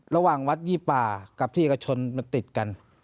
ระหว่างวัดยี่ป่ากับที่เอกชนมันติดกัน